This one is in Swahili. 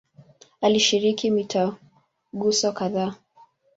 Alishiriki mitaguso kadhaa.